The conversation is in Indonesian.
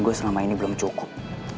gue bukan orang cemen